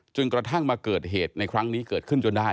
จนกระทั่งมาเกิดเหตุในครั้งนี้เกิดขึ้นจนได้